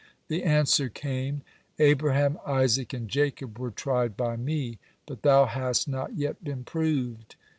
The answer came: "Abraham, Isaac, and Jacob were tried by me, but thou hast not yet been proved."